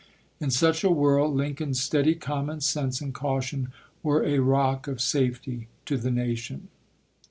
In such a whirl, Lincoln's steady common sense and caution were a rock of safety to the nation.